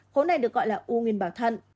khối này được gọi là ung nguyên bào thận